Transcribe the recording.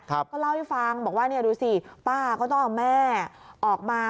ก็เล่าให้ฟังบอกว่าเนี่ยดูสิป้าก็ต้องเอาแม่ออกมา